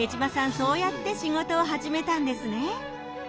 そうやって仕事を始めたんですね。